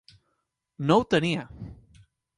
No ho tenia.